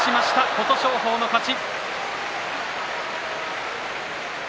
琴勝峰の勝ち。